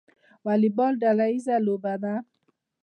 والیبال ډله ییزه لوبه ده